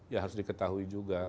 ya harus diketahui juga